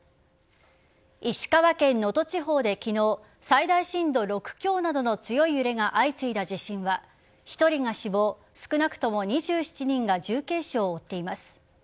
石川県能登地方で昨日最大震度６強などの強い揺れが相次いだ地震は１人が死亡少なくとも２７人が重軽傷を負っています。